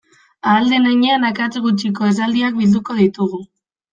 Ahal den heinean akats gutxiko esaldiak bilduko ditugu.